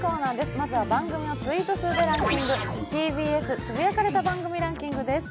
まずは番組のツイート数でランキング、「ＴＢＳつぶやかれた番組ランキング」です。